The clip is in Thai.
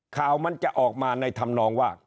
ข่าวมันจะออกมาในธรรมนองว่า